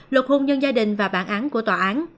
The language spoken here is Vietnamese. luật hôn nhân gia đình và bản án của tòa án